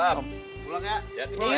makasih ya rayu